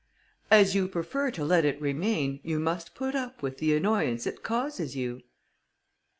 "As you prefer to let it remain, you must put up with the annoyance it causes you."